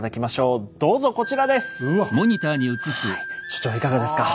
所長いかがですか？